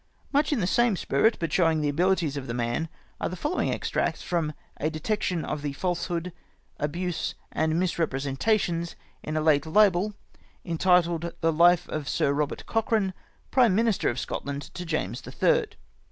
Much m the same spirit, but showing the abilities of the man, are the following extracts from " A Detection of the Falsehood, Abuse, and INIisrepresentations in a late Libel, entitled. The Life of Sir Eobert Cochrane, Prime IMinister in Scotland to James the Third."